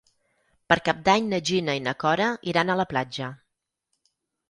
Per Cap d'Any na Gina i na Cora iran a la platja.